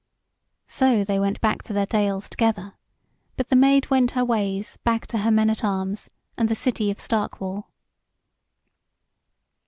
So they went back to their dales together; but the Maid went her ways back to her men at arms and the city of Stark wall.